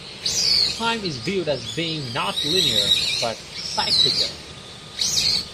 Time is viewed as being not linear but cyclical.